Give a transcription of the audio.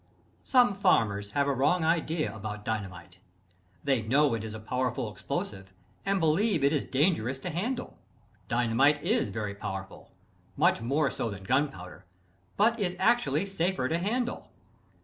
Some farmers have a wrong idea about dynamite. They know it is a powerful explosive, and believe it is dangerous to handle. Dynamite is very powerful, much more so than gunpowder, but is actually safer to handle.